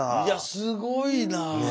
いやすごいなぁ。